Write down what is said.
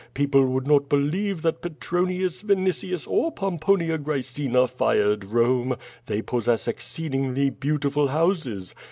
People would not believe that Petronius, Vinitius, or Pomponia Graecina fired Rome. They possess exceedingly beautiful houses.